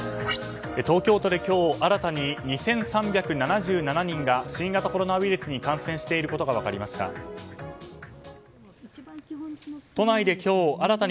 東京都で今日、新たに２３７７人が新型コロナウイルスに感染していることが分かりました。